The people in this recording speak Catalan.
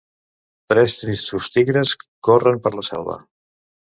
Tres tristos tigres corren per la selva.